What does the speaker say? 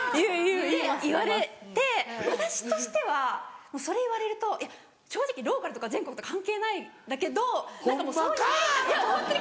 って言われて私としてはそれ言われると正直ローカルとか全国とか関係ないんだけど。